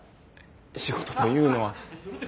仕事というのは。